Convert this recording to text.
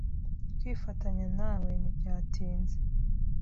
Kwifatanya na we ntibyatinze.